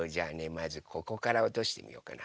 まずここからおとしてみようかな。